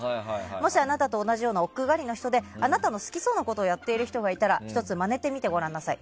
もし、あなたと同じような億劫がりの人であなたの好きそうなことをやっている人がいたらひとつ真似てみてごらんなさい。